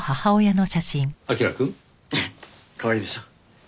彬くん？ええかわいいでしょ。